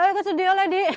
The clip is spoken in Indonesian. kebalik ke studio lagi